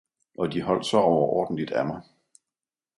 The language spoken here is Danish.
og de holdt så overordentlig af mig.